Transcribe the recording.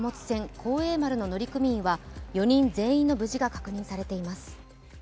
「幸栄丸」の乗組員は４人全員の無事が確認されています